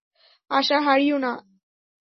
আশা হারিয়ো না।